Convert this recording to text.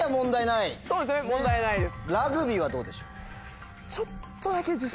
そうですね問題ないです。